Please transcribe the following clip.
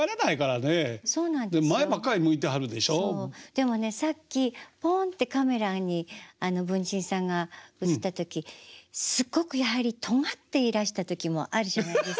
でもねさっきポンってカメラに文珍さんが映った時すっごくやはりとがっていらした時もあるじゃないですか。